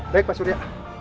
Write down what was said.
baik pak suria